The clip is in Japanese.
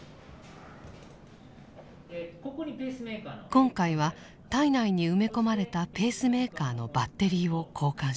今回は体内に埋め込まれたペースメーカーのバッテリーを交換しました。